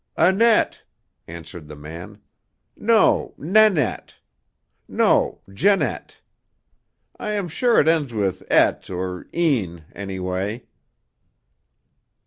"Annette," answered the man. "No, Nanette. No Janette. I am sure it ends with 'ette' or 'ine,' anyway."